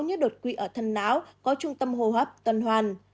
như đột quỵ ở thân não có trung tâm hô hấp tuần hoàn